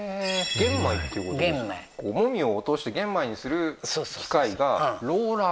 玄米籾を落として玄米にする機械がローラー？